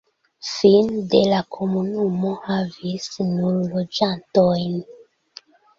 Fine de la komunumo havis nur loĝantojn.